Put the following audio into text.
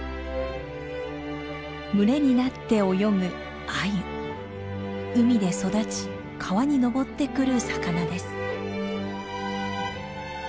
群れになって泳ぐ海で育ち川に上ってくる魚です。